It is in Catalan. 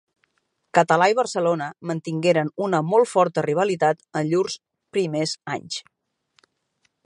Català i Barcelona mantingueren una molt forta rivalitat en llurs primers anys.